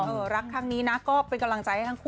รักครั้งนี้นะก็เป็นกำลังใจให้ทั้งคู่